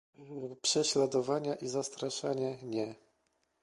Prześladowania i zastraszanie - nie